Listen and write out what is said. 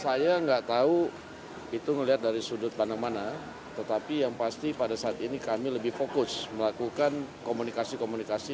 saya nggak tahu itu melihat dari sudut mana mana tetapi yang pasti pada saat ini kami lebih fokus melakukan komunikasi komunikasi